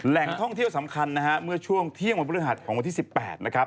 แหล่งท่องเที่ยวสำคัญนะฮะเมื่อช่วงเที่ยงวันพฤหัสของวันที่๑๘นะครับ